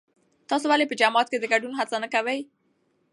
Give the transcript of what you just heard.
تاسو ولې په جماعت کې د ګډون هڅه نه کوئ؟